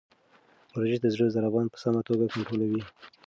ورزش د زړه ضربان په سمه توګه کنټرولوي.